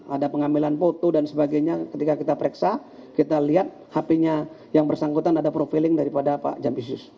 ada pengambilan foto dan sebagainya ketika kita periksa kita lihat hp nya yang bersangkutan ada profiling daripada pak jampisus